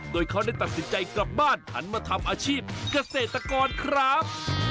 โดยเขาได้ตัดสินใจกลับบ้านหันมาทำอาชีพเกษตรกรครับ